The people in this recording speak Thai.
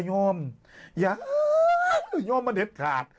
เย้อย่่ายอมมันเหล็ดขาด